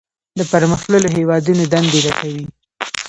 د پرمختللو هیوادونو دندې لټوي.